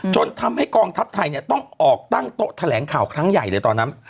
จนทำให้กองทัพไทยเนี่ยต้องออกตั้งโต๊ะแถลงข่าวครั้งใหญ่เลยตอนนั้น